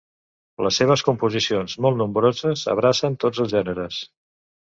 Les seves composicions molt nombroses, abracen tots els gèneres.